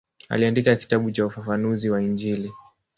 Aliandika kitabu cha ufafanuzi wa Injili.